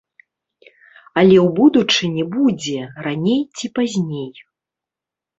Але ў будучыні будзе, раней ці пазней.